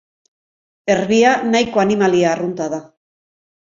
Erbia nahiko animalia arrunta da.